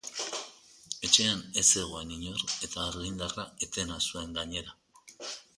Etxean ez zegoen inor eta argindarra etena zuen gainera.